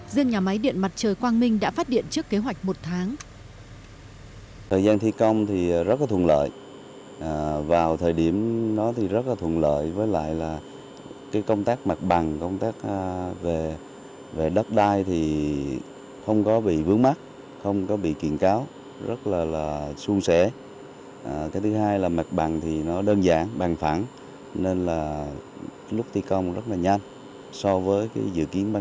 riêng nhà máy điện mặt trời quang minh đã phát điện trước kế hoạch một tháng